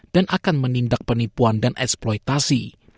dan akan menindak penipuan dan eksploitasi